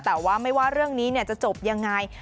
แต่ว่าไม่ว่าเรื่องนี้จะจบยังไง